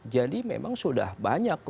jadi memang sudah banyak